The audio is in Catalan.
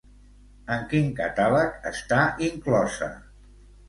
En quin catàleg està inclosa?